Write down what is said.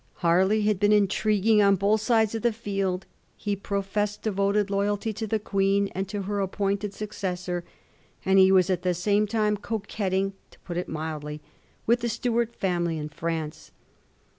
Har ley had been intriguing on both sides of the field. He professed devoted loyalty to the Queen and to her appointed successor, and he was at the same time coquetting, to put it mildly, with the Stuart femily in France.